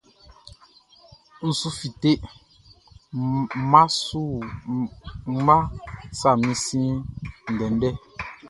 N su fite, Nʼma sa min sin ndɛndɛ.